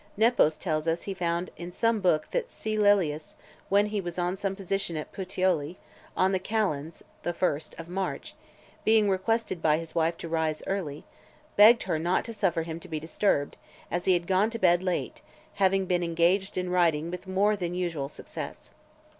Nepos tells us he found in some book that C. Laelius, when he was on some occasion at Puteoli, on the calends [the first] of March, being requested by his wife to rise early, (534) begged her not to suffer him to be disturbed, as he had gone to bed late, having been engaged in writing with more than usual success.